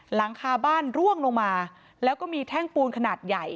หลังคาบ้านร่วงลงมาแล้วก็มีแท่งปูนขนาดใหญ่